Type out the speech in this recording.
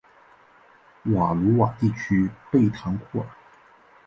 瓦卢瓦地区贝唐库尔。